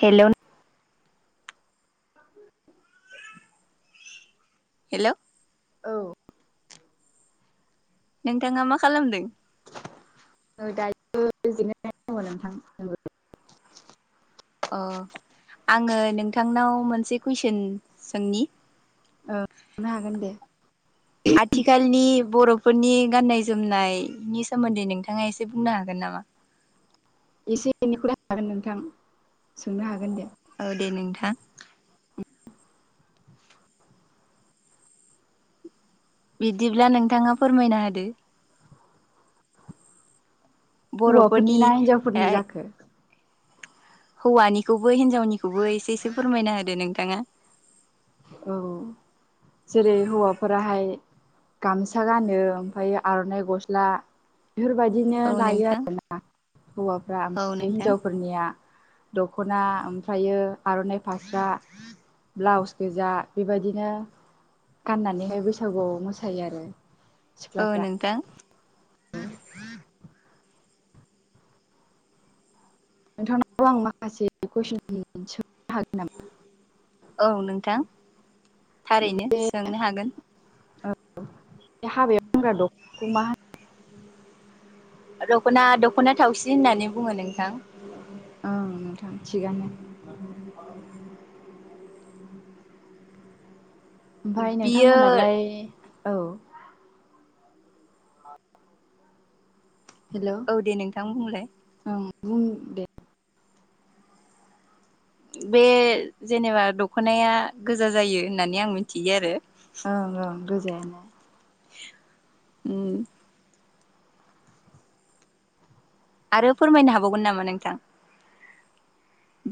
हेल'। [inaudible] हेल'। औ। नोंथाङा मा खालामदों? [unintelligible] नोंथां। अ आङो नोंथांनाव मोनसे कुइसन सोंनि औ सोंनो हागोन दे? आथिखालनि बर'फोरनि गाननाय जोमनायनि सोमोन्दै नोंथाङा एसे बुंनो हागोन नामा? एसे एनैखौलाय हागोन नोंथां सोंनो हागोन दे। औ दे नोंथां। बिदिब्ला नोंथाङा फोरमायना होदो। बर'फोरनि हौवाफोरनि ना हिनजावफोरनि जाखो? हौवानिखौबो हिनजावनिखौबो एसे एसे फोरमायना होदो नोंथाङा। औ जेरै हौवाफोराहाय गामसा गानो ओमफायो आर'नाइ गस्ला बेफोरबायदिनो औ लायो नोंथां आरोना हौवाफ्रा औ ओमफ्राय नोंथां हिनजावफोरनिया दख'ना ओमफ्रायो आर'नाइ फास्रा, ब्लाउस गोजा बेबायदिनो गाननानैहाय बैसागुआव मोसायो आरो। औ सिख्लाफ्रा नोंथां। नोंथांनाव आं माखासे कुइसन [unintelligible] सोंनो हागोन नामा? औ नोंथां थारैनो सोंनो हागोन। औ बे हाबायाव गनाग्रा दख [unintelligible] खौ मा होनो? दख'ना दख'ना थावसि होननानै बुङो नोंथां। ओं नोंथां थिगानो। ओमफ्राय बियो नोंथांमोनालाय औ हेलौ औ दे नोंथां बुंलाय। ओं बुं दे। बे जेनेबा दख'नाया गोजा जायो होननानै आं मिथियो आरो। ओं ओं गोजायानो। उम। आरो फोरमायनो हाबावगोन नामा नोंथां?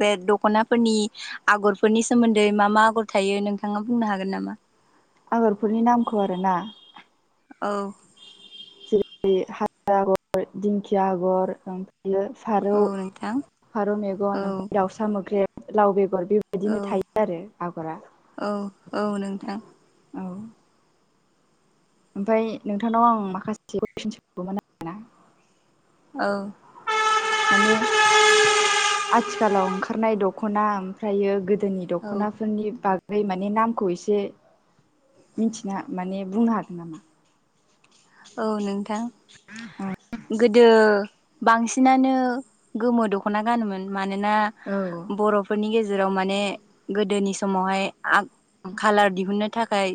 बे दख'नाफोरनि आगरफोरनि सोमोन्दै मा मा आगर थायो नोंथाङा बुंनो हागोन नामा? आगरफोरनि नामखौ आरोना? औ। जेरै हाजो आगर, दिंखिया आगर ओमफ्रायो औ फारौ, नोंथां फारौ औ मेगन ओमफ्राय दाउसा मोख्रेब, लाव बेगर बे औ दिनो थायो आरो आगरा औ औ नोंथां औ। ओमफ्राय नोंथांनाव आं माखासे कुइसन सोंगौमोन आरो औ। माने आथिखालाव ओंखारनाय दख'ना ओमफ्रायो गोदोनि औ दख'नाफोरनि बा गै माने नामखौ एसे मिथिनो माने बुंनो हागोन नामा? औ नोंथां गोदो बांसिनानो गोमो दख'ना गानोमोन मानोना औ बर'फोरनि गेजेराव माने गोदोनि समावहाय आ खालार दिहुननो थाखाय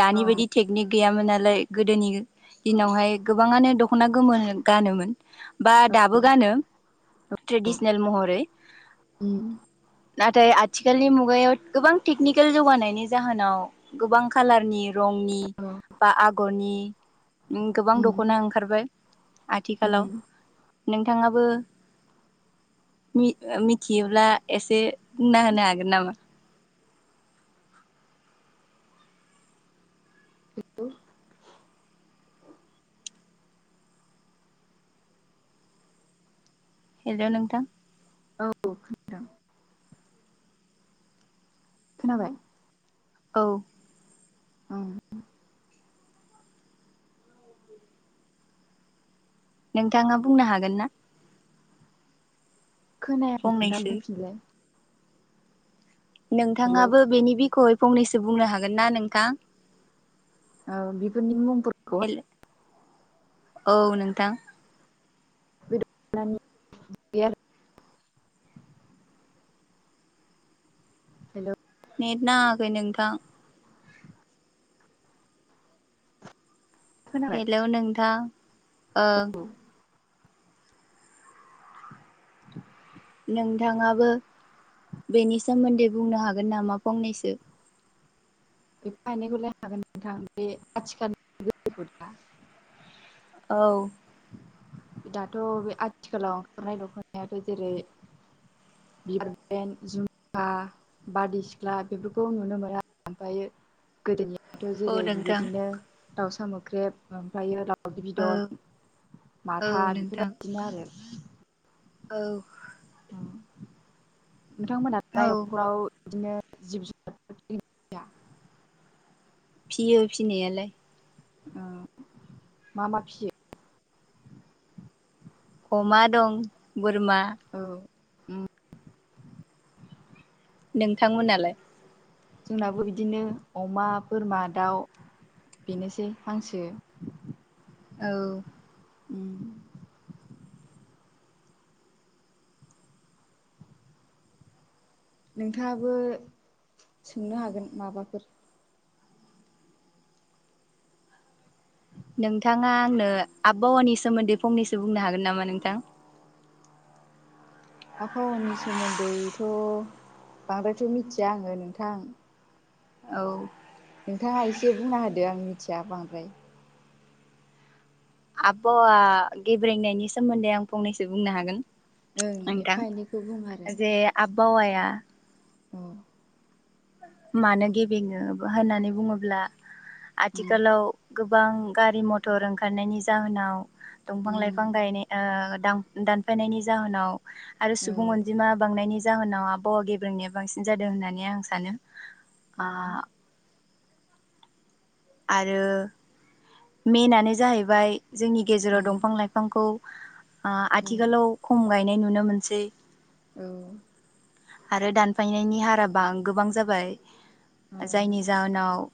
दानि औ बायदि टेकनिक गैयामोन नालाय गोदोनि दिनावहाय गोबाङानो दख'ना गोमोनो गानोमोन बा दाबो गानो। ट्रेडिसनेल महरै। उम। नाथाय आथिखालनि मुगायाव गोबां टेकनिकेल जौगानायनि जाहोनाव गोबां खालारनि रंनि औ बा आगरनि गोबां उम दख'ना ओंखारबाय उम आथिखालाव। नोंथाङाबो मि-मिथियोब्ला एसे बुंना होनो हागोन नामा? हेलौ नोंथां औ खोनादों खोनाबाय औ ओं नोंथाङा बुंनो हागोन ना खोनायाखै नोंथां फंनैसो बुंफिनलाय। हेलौ नोंथाङाबो बेनि बिख'यै फंनैसो बुंनो हागोन ना नोंथां? औ बेफोरनि मुंफोर हेल औ नोंथां [unintelligible] हेलौ नेट नाङाखै नोंथां खोनाबाय हेलौ नोंथां ओ नोंथाङाबो बेनि सोमोन्दै बुंनो हागोन नामा फंनैसो। एफा एनैखौलाय हागोन नोंथां बे आथिखालनि औ दाथ' बे आथिखालाव ओंखारनाय दख'नायाथ' जेरै बिबार ब्रेन जुमखा बारदै सिख्ला बेफोरखौ नुनो मोनो आरो ओमफ्रायो गोदोनियाथ' औ जेरै नोंथां बेबायदिनो दाउसा मोख्रेब ओमफ्रायो दाव दावदै औ बिदन औ माथा नोंथां बेफोरबायदिनो आरो। औ होम औ नोंथांमोनहा न'खराव बिदिनो जिब जुनार फियो फिनायालाय। ओ‌ मा मा फियो? अमा दं बोरमा औ नोंथांमोनालाय? जोंनाबो बिदिनो अमा बोरमा दाउ बेनोसै हांसो। औ ओम नोंथाङाबो सोंनो हागोन माबाफोर नोंथाङा आंनो आबहावानि सोमोन्दै फंनैसो बुंनो हागोन नामा नोंथां। आबहावानि सोमोन्दैथ' बांद्रायथ' मिथिया आङो नोंथां औ नोंथाङा एसे बुंना होदो आं मिथिया बांद्राय। आबहावा गेब्रेंनायनि सोमोन्दै आं फंनैसो बुंनो हागोन। ओं नोंथां एफा एनैखौ बुङो आरो। जे आबहावाया अ मानो गेबेङो होननानै बुङोब्ला उम आथिखालाव गोबां गारि मथर ओंखारनायनि जाहोनाव दंफां उम लाइफां गायनाय ओ दां-दानफायनायनि जाहोनाव आरो औ सुबुं अनजिमा बांनायनि जाहोनाव आबहावा गेब्रेंनाया बांसिन जादों होननानै आं सानो। औ आरो मेनानो जाहैबाय जोंनि गेजेराव उम दंफां लाइफां बिफांखौ औ आथिखालाव खम गायनाय नुनो मोनसै औ आरो दानफायनायनि हाराबां गोबां जाबाय औ जायनि जाहोनाव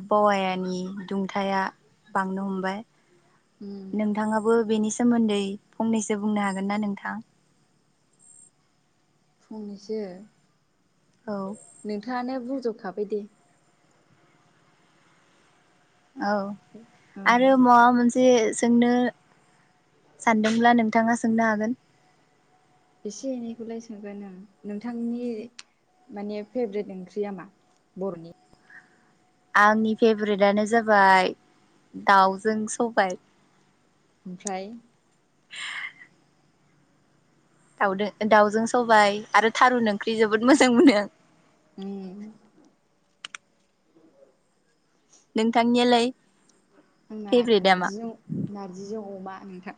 आबहावानि दुंथाया बांनो हमबाय उम नोंथाङाबो बेनि सोमोन्दै फंनैसो बुंनो हागोन ना नोंथां फंनैसो औ नोंथाङानो बुंजोबखाबाय दे औ औ आरो माबा मोनसे जे सोंनो सानदोंब्ला नोंथाङा सोंनो हागोन एसे एनैखौलाय सोंगोन नोंथांनि माने फ्रेभेट ओंख्रियाामा बर'नि आंनि फ्रेभेरेटानो जाबाय दाउजों सबाय ओमफ्राय दाउ दाउजों सबाय आरो थारुन ओंख्रि जोबोद मोजां मोनोआं ऊं नोंथांनियालाय आंना फेभरेटआ मा नारजि नारजिजों अमा नोंथां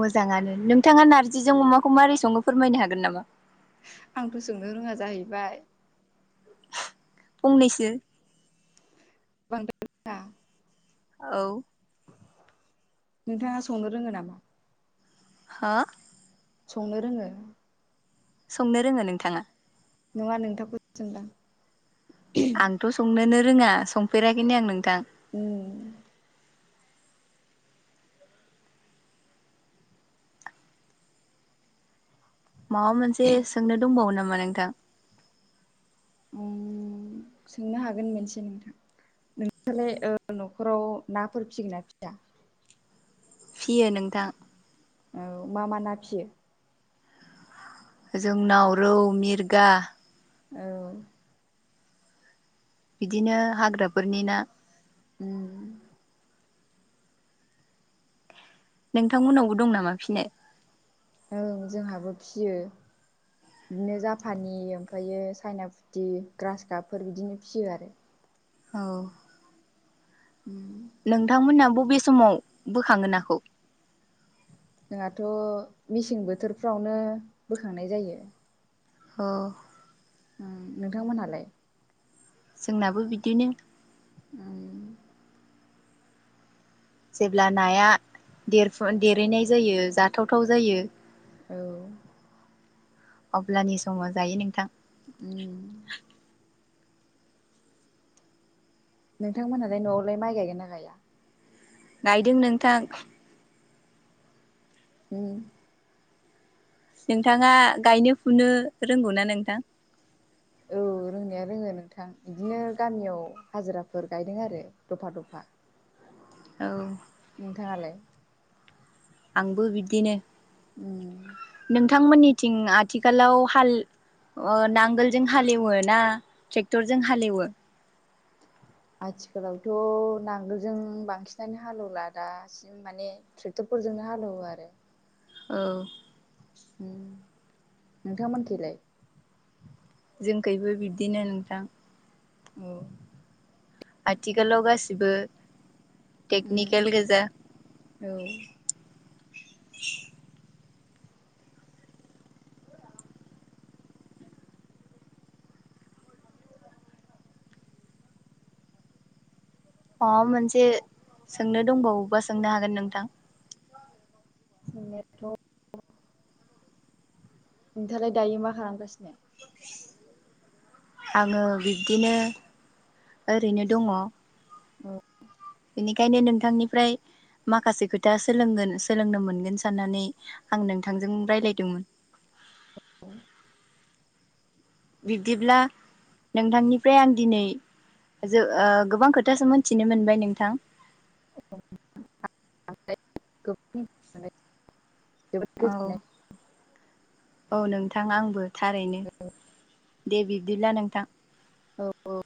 मोजाङानो नोंथाङा नारजिजों अमाखौ माबोरै सङो फोरमायनो हागोन नामा आंथ' सोंनो रोङा जाहैबाय फंनैसो बां [unintelligible] औ नोंथाङा संनो रोङो नामा हा संनो रोङो संनो रोङो नोंथाङा नङा नोंथांखौसो सोंदां आंथ' संनोनो रोङा संफेराखैनो आं नोंथां उम माबा मोनसे सोंनो दंबावो नामा नोंथां उ सोंनो हागोन मोनसे नोंथां नोंसालाय न'खराव नाफोर फिसिगोन ना फिसिया फिसियो नोंथां औ मा मा ना फिसियो जोंनाव रौ मिरगा औ बिदिनो हाग्राफोरनि ना उम नोंथांमोननावबो दं नामा फिसिनाय ओं जोंहाबो फिसियो बिदिनो जापानि ओमफ्रायो चाइना फुथि ग्रास काबफोर बिदिनो फियो आरो औ उम नोंथांमोना बबे समाव बोखाङोन नाखौ? जोंहाथ' मेसें बोथोरफ्रावनो बोखांनाय जायो। औ ओम नोंथांमोनहालाय? जोंनाबो बिदिनो। उम जेब्ला नाया देरफु देरहैनाय जायो जाथावथाव जायो औ अब्लानि समाव जायो नोंथां उम नोंथांमोनहालाय न'आवलाय माइ गायगोन ना गाया? नायदों नोंथां। उम नोंथाङा गायनो फुनो रोंगौ ना नोंथां? औ रोंनाया रोङो नोंथां बिदिनो गामियाव हाजिराफोर गायदों आरो द'फा द'फा। औ नोंथाङालाय? आंबो बिदिनो। उम नोंथांमोननिथिं आथिखालाव हाल ओ नांगोलजों हालेवो ना ट्रेक्टरजों हालेवो? आथिखालावथ' नांगोलजों बांसिनानो हालेवला दा बि माने ट्रेक्टरफोरजोंनो हालेवो आरो। औ उम नोंथांमोनखलाय? जोंखबो बिब्दिनो नोंथां। औ आथिखालाव गासिबो उम टेकनिकेल गोजा [inaudible] औ माबा मोनसे सोंनो दंबावबा सोंनो हागोन नोंथां। जोंनिथ' नोंथालाय दायो मा खालामगासिनो? आङो बिब्दिनो ओरैनो दङ औ बेनिखायनो नोंथांनिफ्राय माखासे खोथा सोलोंगोन सोलोंनो मोनगोन साननानै आं नोंथांजों रायज्लायदोंमोन बिब्दिब्ला नोंथांनिफ्राय आं दिनै ज गोबां खोथासो मिथिनो मोनबाय नोंथां गोबां जोबोद गोजोन औ औ नोंथां आंबो थारैनो दे बिब्दिब्ला नोंथां। औ औ